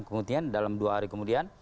kemudian dalam dua hari kemudian